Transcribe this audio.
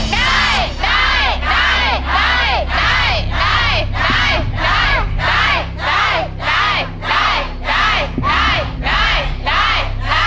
ได้ได้ได้